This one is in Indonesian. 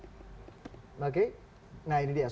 nah ini dia survei elektabilitas